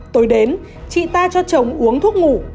tối đến chị ta cho chồng uống thuốc ngủ